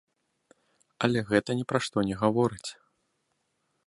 Але гэта ні пра што не гаворыць!